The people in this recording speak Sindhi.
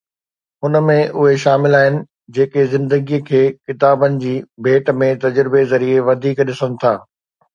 ھن ۾ اھي شامل آھن جيڪي زندگيءَ کي ڪتابن جي ڀيٽ ۾ تجربي ذريعي وڌيڪ ڏسن ٿا.